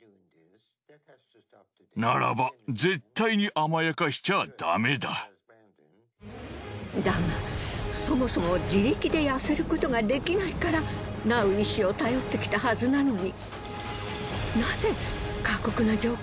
なんとたっただがそもそも自力で痩せることができないからナウ医師を頼ってきたはずなのに。